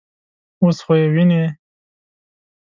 _اوس خو يې وينې.